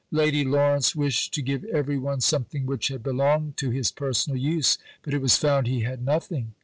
Lady Lawrence wished to give every one something which had belonged to his personal use. But it was found he had nothing.